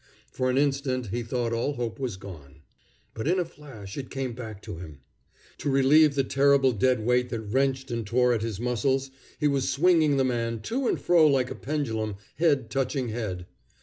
For an instant he thought all hope was gone. But in a flash it came back to him. To relieve the terrible dead weight that wrenched and tore at his muscles, he was swinging the man to and fro like a pendulum, head touching head.